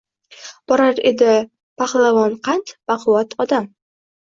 Borar edi pahlavonqand, baquvvat odam.